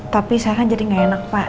tapi saya kan jadi nggak enak pak